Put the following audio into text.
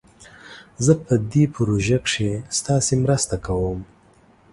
زه په دي پروژه کښي ستاسو مرسته کووم